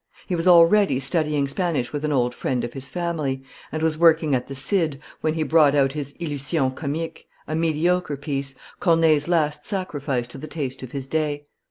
He was already studying Spanish with an old friend of his family, and was working at the Cid, when he brought out his Illusion Comique, a mediocre piece, Corneille's last sacrifice to the taste of his day.